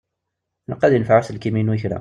Ilaq ad yenfeɛ uselkim-inu i kra.